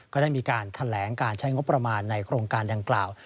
ก็ได้มีการแถลงการใช้งบประมาณในโครงการดังกล่าว